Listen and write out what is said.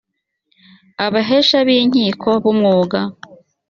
abahesha b inkiko b umwuga